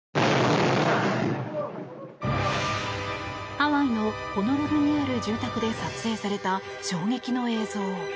ハワイのホノルルにある住宅で撮影された衝撃の映像。